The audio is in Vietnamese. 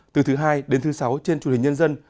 từ thứ hai đến thứ sáu trên truyền hình nhân dân